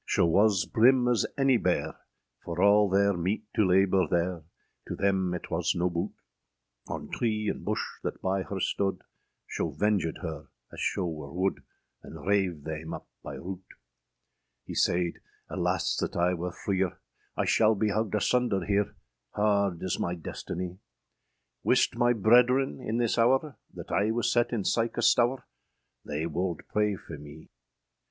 Scho was brim as anie beare, For all their meete to laboure there, To thayme yt was noe boote; On tree and bushe that by her stode, Scho vengèd her as scho wer woode, And rave thayme up by roote. Hee sayd, âAlas that I wer freer, I shal bee hugged asunder here, Hard is my destinie! Wiste my brederen, in this houre, That I was set in sike a stoure, They wolde pray for mee!